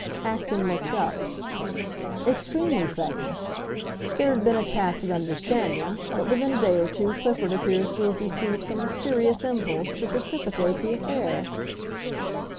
Acton looked up. "Extremely sudden. There had been a tacit understanding; but within a day or two Clifford appears to have received some mysterious impulse to precipitate the affair."